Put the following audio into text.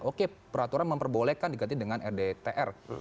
oke peraturan memperbolehkan diganti dengan rdtr